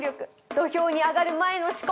土俵に上がる前の四股。